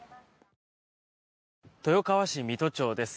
豊川市御津町です。